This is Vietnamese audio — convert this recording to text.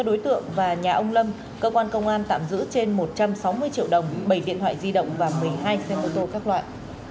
đối tượng và nhà ông lâm cơ quan công an tạm giữ trên một trăm sáu mươi triệu đồng bảy điện thoại di động và một mươi hai xe mô tô các loại